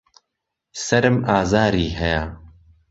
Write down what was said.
سەرم ئازاری هەیە.